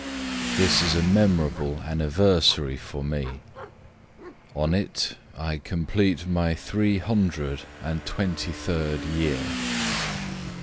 This is a memorable anniversary for me; on it I complete my three hundred and twenty third year!